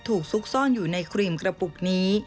ซุกซ่อนอยู่ในครีมกระปุกนี้